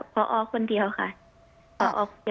พ่อออกคนเดียวค่ะ